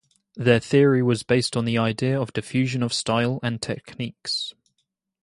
Their theory was based on the idea of diffusion of style and techniques.